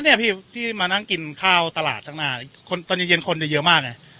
เนี่ยพี่ที่มานั่งกินข้าวตลาดข้างหน้าคนตอนเย็นเย็นคนจะเยอะมากไง